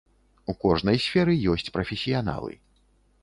У кожнай сферы ёсць прафесіяналы.